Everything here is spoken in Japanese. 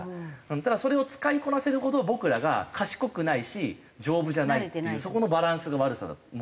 ただそれを使いこなせるほど僕らが賢くないし丈夫じゃないっていうそこのバランスの悪さが問題だと。